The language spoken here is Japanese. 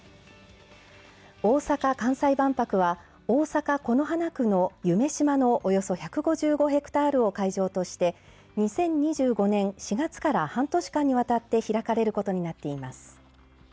大阪・関西万博は大阪、此花区の夢洲のおよそ１５５ヘクタールを会場として２０２５年４月から半年間にわたって開かれることになっています。